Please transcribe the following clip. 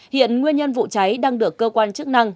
hiện nguyên nhân vụ cháy đang được cơ quan chức năng